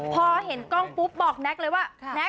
พอเห็นกล้องปุ๊บบอกแน็กเลยว่าแก๊ก